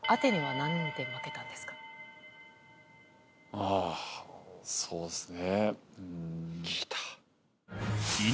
あぁそうっすね。